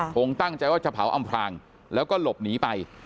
คงตั้งใจว่าจะเผาอำพลางแล้วก็หลบหนีไป